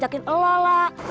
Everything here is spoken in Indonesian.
taruh semua dulu